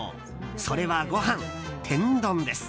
それはご飯、天丼です。